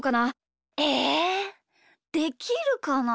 えできるかな。